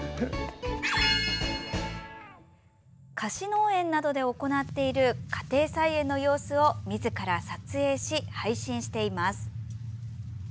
貸し農園などで行っている家庭菜園の様子をみずから撮影し配信しています。